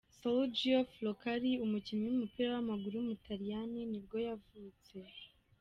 Sergio Floccari, umukinnyi w’umupira w’amaguru w’umutaliyani nibwo yavutse.